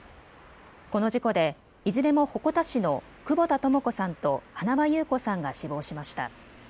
この事故でいずれも鉾田市の久保田朋子さんと塙優子さんが死亡しました。